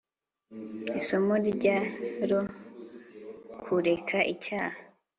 isomo rya ro kureka icyah